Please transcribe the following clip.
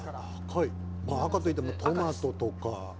赤といえば、トマトとか。